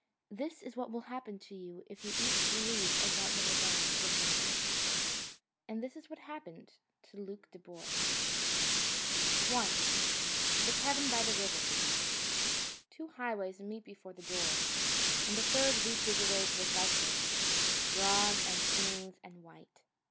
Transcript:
This is what will happen to you if you eat the leaves of that little vine, Wood Magic. And this is what happened to Luke Dubois. I The Cabin by the Rivers Two highways meet before the door, and a third reaches away to the southward, broad and smooth and white.